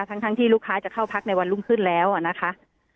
ทั้งที่ลูกค้าจะเข้าพักในวันรุ่งขึ้นแล้วนะคะ